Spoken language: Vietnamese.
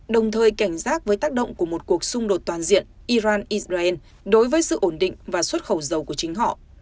đồng thời cảnh giác với tác động của một cuộc xung đột toàn diện iran israel đối với sự ổn định và xuất khẩu dầu của chính họ